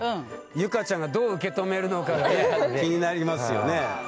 結香ちゃんがどう受け止めるのかがね気になりますよね。